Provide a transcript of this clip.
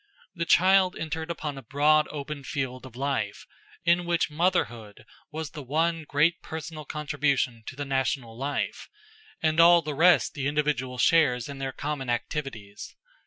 The child entered upon a broad open field of life, in which motherhood was the one great personal contribution to the national life, and all the rest the individual share in their common activities.